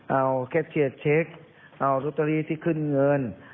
เอาแคทเชียร์เช็คเอาลอตเตอรี่ที่ขึ้นเงิน